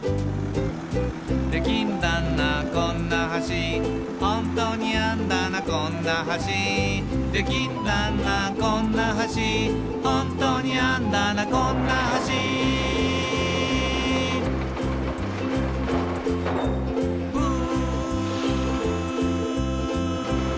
「できんだなこんな橋」「ホントにあんだなこんな橋」「できんだなこんな橋」「ホントにあんだなこんな橋」「ウー」